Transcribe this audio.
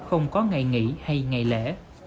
không có ngày nghỉ hay ngày lễ